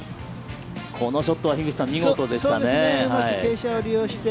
このショットは、樋口さん、見事でしたね。